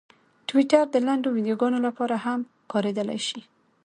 ټویټر د لنډو ویډیوګانو لپاره هم کارېدلی شي.